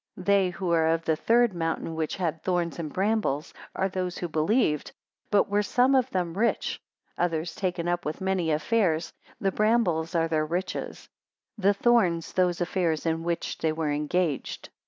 187 They who are of the third mountain which had thorns and brambles, are those who believed, but were some of them rich; others taken up with many affairs: the brambles are their riches; the thorns, those affairs in which they were engaged.